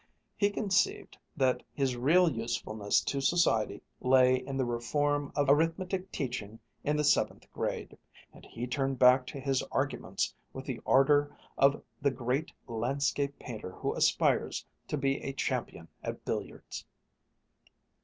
He conceived that his real usefulness to society lay in the reform of arithmetic teaching in the seventh grade, and he turned back to his arguments with the ardor of the great landscape painter who aspires to be a champion at billiards.